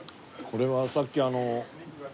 これはさっきあの。